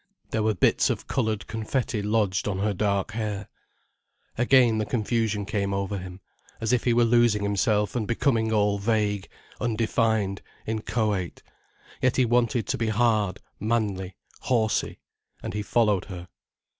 There were bits of coloured confetti lodged on her dark hair. Again the confusion came over him, as if he were losing himself and becoming all vague, undefined, inchoate. Yet he wanted to be hard, manly, horsey. And he followed her.